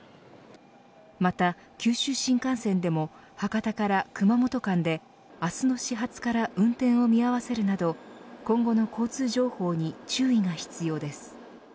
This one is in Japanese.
また、九州新幹線でも博多から熊本間で明日の始発から運転を見合わせるなど今後の交通情報に注意が必要です。